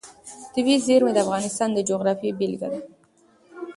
طبیعي زیرمې د افغانستان د جغرافیې بېلګه ده.